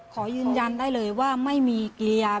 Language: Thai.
ขอยืนยันได้เลยว่าไม่มีเกรียบแบบว่า